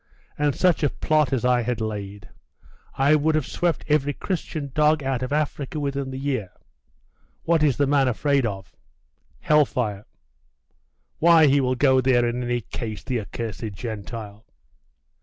And such a plot as I had laid! I would have swept every Christian dog out of Africa within the year. What is the man afraid of?' 'Hell fire.' 'Why, he will go there in any case, the accursed Gentile!